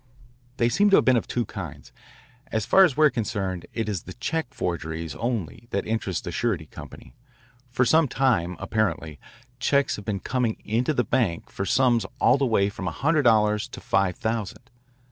"They seem to have been of two kinds. As far as we are concerned it is the check forgeries only that interest the Surety Company. For some time, apparently, checks have been coming into the bank for sums all the way from a hundred dollars to five thousand.